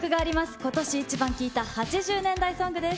今年イチバン聴いた８０年代ソングです。